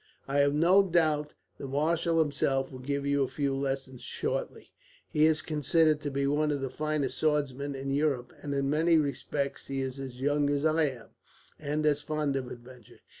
"I have no doubt the marshal, himself, will give you a few lessons shortly. He is considered to be one of the finest swordsmen in Europe, and in many respects he is as young as I am, and as fond of adventure.